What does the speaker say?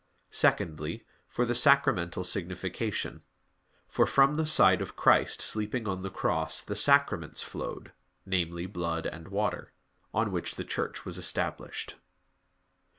Secondly, for the sacramental signification; for from the side of Christ sleeping on the Cross the Sacraments flowed namely, blood and water on which the Church was established.